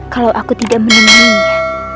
kalau aku tidak menemuinya